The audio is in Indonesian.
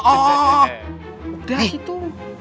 oh udah situ